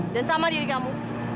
dan sama diri kamu